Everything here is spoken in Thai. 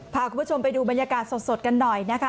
พาคุณผู้ชมไปดูบรรยากาศสดกันหน่อยนะคะ